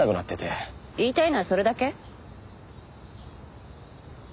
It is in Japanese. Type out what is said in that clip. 言いたいのはそれだけ？